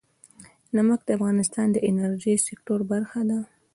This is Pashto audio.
نمک د افغانستان د انرژۍ سکتور برخه ده.